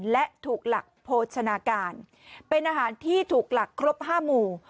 และถูกหลักโภชนาการเป็นอาหารที่ถูกหลักครบ๕หมู่